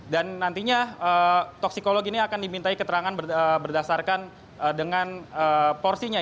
dan nantinya toksikologi ini akan dimintai keterangan berdasarkan dengan porsinya